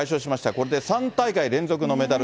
これで３大会連続のメダル。